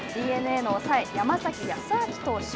ＤｅＮＡの抑え山崎康晃投手。